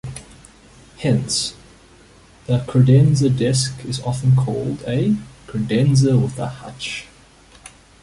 Hence, the credenza desk is often called a "credenza with hutch".